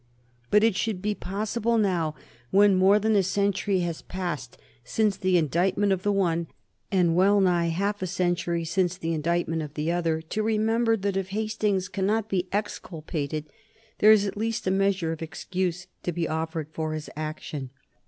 But it should be possible now, when more than a century has passed since the indictment of the one and well nigh half a century since the indictment of the other, to remember that if Hastings cannot be exculpated there is at least a measure of excuse to be offered for his action.